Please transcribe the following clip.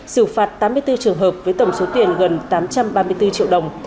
xử phạt tám mươi bốn trường hợp với tổng số tiền gần tám trăm ba mươi bốn triệu đồng